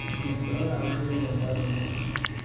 அனைத்துலக அலகுகள் என்றால் என்ன?